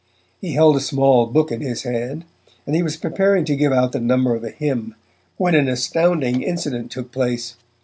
He held a small book in his hand, and he was preparing to give out the number of a hymn, when an astounding incident took place.